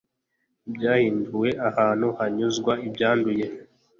byahinduwe ahantu hanyuzwa ibyanduye